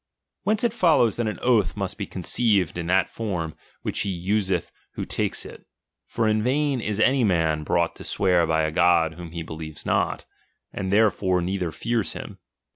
Whence it follows that an oath must bexheiwearfn conceived in that form, which he useth who takes "ii.ed in thi it ; for in vain is any man brought to swear by a f^'°^oi^i God whom he believes not, and therefore neither fears him.